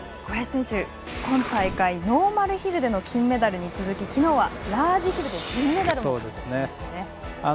小林選手、今大会ノーマルヒルでの金メダルに続き昨日はラージヒルで銀メダルを獲得しましたね。